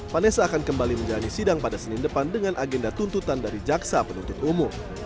vanessa akan kembali menjalani sidang pada senin depan dengan agenda tuntutan dari jaksa penuntut umum